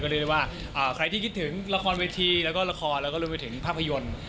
เรียกได้ว่าใครที่คิดถึงละครเวทีแล้วก็ละครแล้วก็รวมไปถึงภาพยนตร์